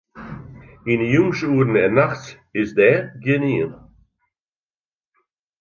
Yn 'e jûnsoeren en nachts is dêr gjinien.